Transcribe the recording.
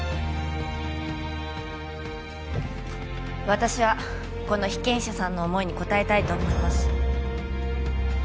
私はこの被験者さんの思いに応えたいと思います